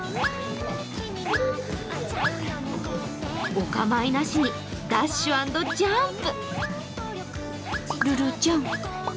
お構いなしにダッシュ＆ジャンプ。